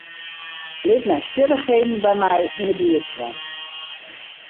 Lit nijsgjirrichheden by my yn 'e buert sjen.